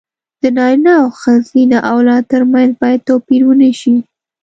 د نارينه او ښځينه اولاد تر منځ بايد توپير ونشي.